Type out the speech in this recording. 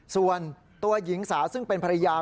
ส่วนตัวหญิงสาวซึ่งเป็นภรรยา